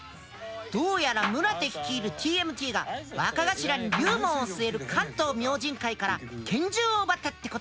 どうやら宗手率いるＴＭＴが若頭に龍門を据える関東明神会から拳銃を奪ったってことだ。